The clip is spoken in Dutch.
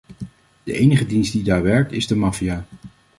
De enige dienst die daar werkt, is de maffia.